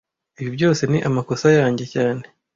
Ibi byose ni amakosa yanjye cyane